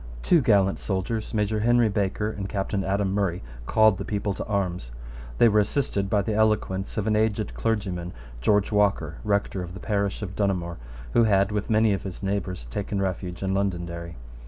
Two gallant soldiers, Major Henry Baker and Captain Adam Murray, called the people to arms. They were assisted by the eloquence of an aged clergyman, George Walker, rector of the parish of Donaghmore, who had, with many of his neighbours, taken refuge in Londonderry.